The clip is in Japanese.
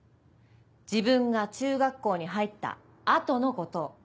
自分が中学校に入った後のことを。